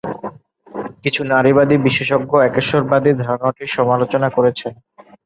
কিছু নারীবাদী বিশেষজ্ঞ একেশ্বরবাদী ধারণাটির সমালোচনা করেছেন।